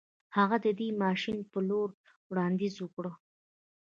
هغه د دې ماشين د پلورلو وړانديز وکړ.